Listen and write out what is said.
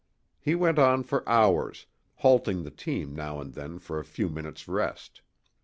He went on for hours, halting the team now and then for a few minutes' rest.